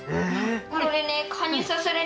これね